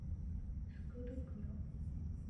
福袋